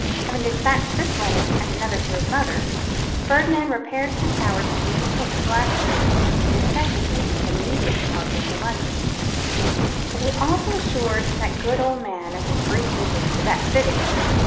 Having despatched this letter and another to his mother, Ferdinand repaired to the tower to communicate to Glastonbury the necessity of his immediate departure for London, but he also assured that good old man of his brief visit to that city.